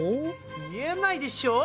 見えないでしょ！